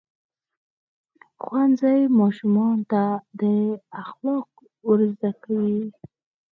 ښوونځی ماشومانو ته اخلاق ورزده کوي.